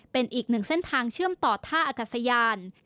เป็นอีกหนึ่งเส้นทางเชื่อมต่อท่าอากาศยาน